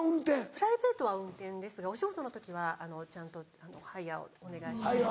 プライベートは運転ですがお仕事の時はちゃんとハイヤーをお願いして。